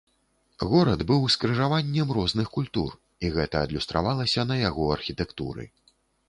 Горад быў скрыжаваннем розных культур, і гэта адлюстравалася на яго архітэктуры.